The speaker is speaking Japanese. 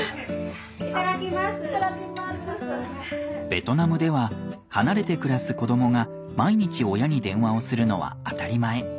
ベトナムでは離れて暮らす子どもが毎日親に電話をするのは当たり前。